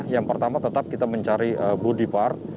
yang pertama tetap kita mencari body part